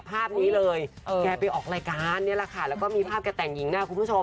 ภาพนี้เลยแกไปออกรายการนี่แหละค่ะแล้วก็มีภาพแกแต่งหญิงนะคุณผู้ชม